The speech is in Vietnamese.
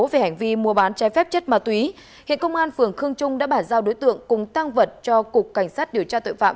về hành vi mua bán trái phép chất ma túy hiện công an phường khương trung đã bản giao đối tượng cùng tăng vật cho cục cảnh sát điều tra tội phạm